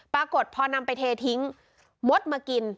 ปรากฏพอนำไปเททิ้งมดมากิน